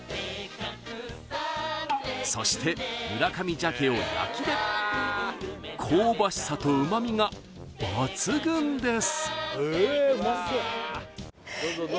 そして村上鮭を焼きで香ばしさと旨みが抜群です